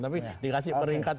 tapi dikasih peringkat